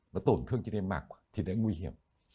nó tổn thương cho những mạng thì lại nguy hiểm